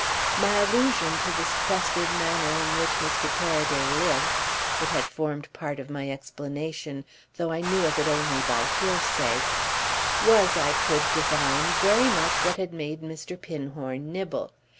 My allusion to the sequestered manner in which Mr. Paraday lived—it had formed part of my explanation, though I knew of it only by hearsay—was, I could divine, very much what had made Mr. Pinhorn nibble.